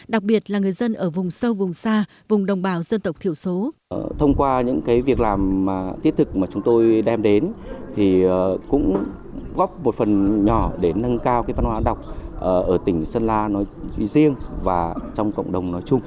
đặc biệt là người dân ở vùng sâu vùng xa vùng đồng bào dân tộc thiểu số